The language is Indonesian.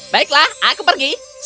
baiklah aku pergi